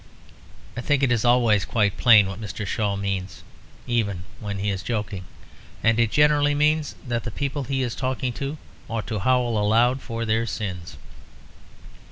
I think it is always quite plain what Mr. Shaw means, even when he is joking, and it generally means that the people he is talking to ought to howl aloud for their sins.